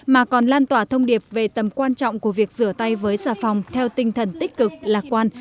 mà còn lan tỏa thông điệp về tầm quan trọng của việc rửa tay với xà phòng theo tinh thần tích cực lạc quan